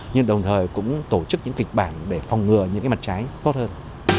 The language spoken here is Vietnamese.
nhưng đồng thời cũng tổ chức những kịch bản để phòng ngừa những mặt trái tốt hơn